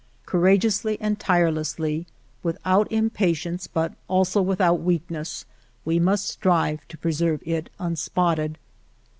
Cour ageously and tirelessly, without impatience but also without weakness, we must strive to preserve it unspotted.